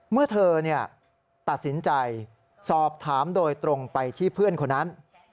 เมื่อเธอตัดสินใจสอบถามโดยตรงไปที่เพื่อนคนนั้น